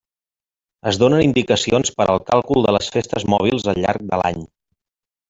Es donen indicacions per al càlcul de les festes mòbils al llarg de l'any.